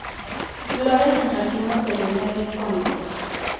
Flores en racimos terminales cónicos.